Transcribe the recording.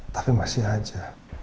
tapi masih aja